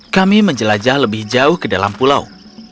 kami menjelajah lebih jauh ke dalam pulau